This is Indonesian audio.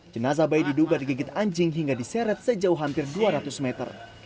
jenazah bayi diduga digigit anjing hingga diseret sejauh hampir dua ratus meter